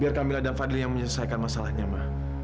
biar kamila dan fadil yang menyelesaikan masalahnya ma